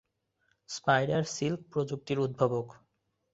Spider silk প্রযুক্তির উদ্ভাবক।